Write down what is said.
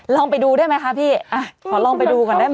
ลองไปดูได้ไหมค่ะพี่ขอลองไปดูไหม